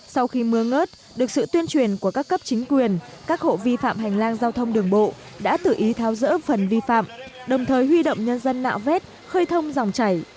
sau khi mưa ngớt được sự tuyên truyền của các cấp chính quyền các hộ vi phạm hành lang giao thông đường bộ đã tự ý tháo rỡ phần vi phạm đồng thời huy động nhân dân nạo vét khơi thông dòng chảy